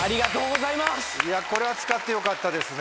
これは使ってよかったですね。